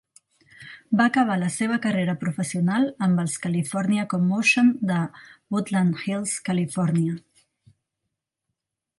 Va acabar la seva carrera professional amb els California Commotion de Woodland Hills, Califòrnia.